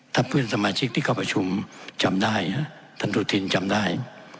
ถ้าเพื่อนสมาชิกที่เข้าประชุมจำได้ท่านดูทินจำได้